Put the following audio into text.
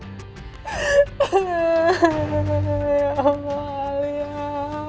ya ampun alia